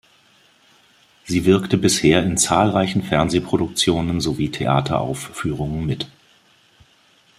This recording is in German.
Sie wirkte bisher in zahlreichen Fernsehproduktionen sowie Theateraufführungen mit.